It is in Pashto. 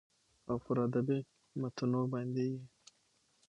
او پر ادبي متونو باندې يې